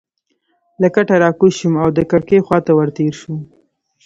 له کټه راکوز شوم او د کړکۍ خوا ته ورتېر شوم.